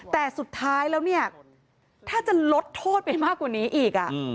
แต่สุดท้ายแล้วเนี่ยถ้าจะลดโทษไปมากกว่านี้อีก